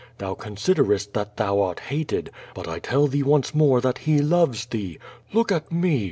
Thou considerest that thou art hated, but I tell thee once more that He loves thee. Look at mo!